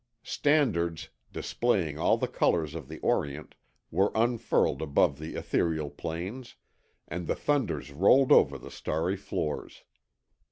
Standards, displaying all the colours of the Orient, were unfurled above the ethereal plains, and the thunders rolled over the starry floors.